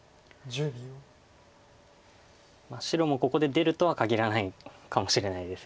白もここで出るとはかぎらないかもしれないです。